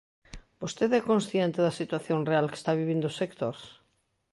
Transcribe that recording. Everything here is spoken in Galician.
¿Vostede é consciente da situación real que está vivindo o sector?